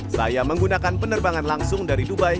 saya menggunakan penerbangan langsung dari dubai